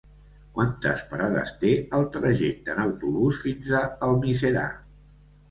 Quantes parades té el trajecte en autobús fins a Almiserà?